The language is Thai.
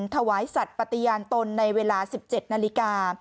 ถวายสัตว์ปฏิญาณตนในเวลา๑๗นาฬิกา